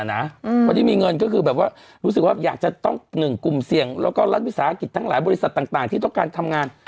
คนที่มีเงินก็คือแบบว่ารู้สึกว่าอยากจะต้องหนึ่งกลุ่มเสี่ยงแล้วก็รัฐวิสาหกิจทั้งหลายบริษัทต่างที่ต้องการทำงาน